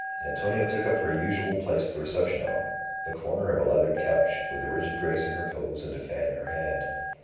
Antonia took up her usual place at the reception hour the corner of a leathern couch, with a rigid grace in her pose and a fan in her hand.